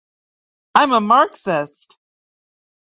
I'm a Marxist.